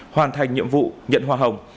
hoàn thành nhiệm vụ nhận hoa hồng